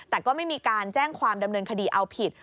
แต่ก็ไม่มีการแจ้งความดำเนินคดีเอาผิด